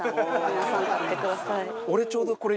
皆さん買ってください。